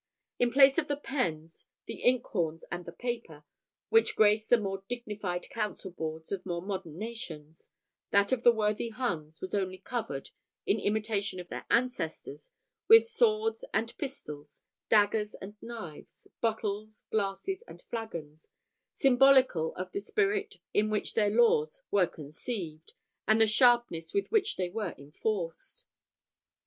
In place of the pens, the ink horns, and the paper, which grace the more dignified council boards of more modern nations, that of the worthy Huns was only covered, in imitation of their ancestors, with swords and pistols, daggers and knives, bottles, glasses, and flagons, symbolical of the spirit in which their laws were conceived, and the sharpness with which they were enforced.